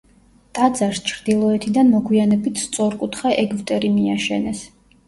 ტაძარს ჩრდილოეთიდან მოგვიანებით სწორკუთხა ეგვტერი მიაშენეს.